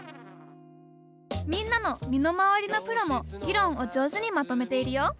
みんなの身の回りのプロも議論を上手にまとめているよ。